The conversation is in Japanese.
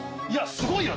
すごいわ。